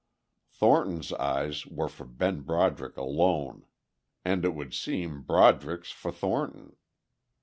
Thornton's eyes were for Ben Broderick alone. And, it would seem, Broderick's for Thornton.